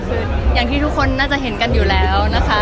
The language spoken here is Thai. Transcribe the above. คืออย่างที่ทุกคนน่าจะเห็นกันอยู่แล้วนะคะ